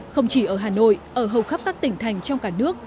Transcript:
không chỉ ở hà nội ở hầu khắp các tỉnh thành trong cả nước